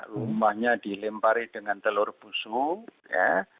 rumahnya dilempari dengan telur busuk ya